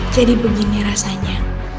jadi begini rasanya